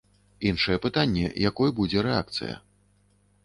Іншае пытанне, якой будзе рэакцыя.